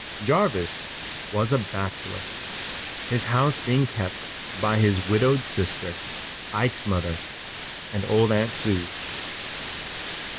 Jarvis was a bachelor, his house being kept by his widowed sister, Ike's mother, and old Aunt Suse.